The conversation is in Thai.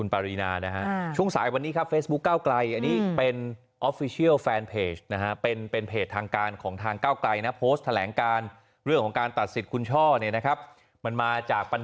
เพราะฉะนั้นว่าศาลไม่ได้เพราะศาลต้องว่าตามกฎหมาย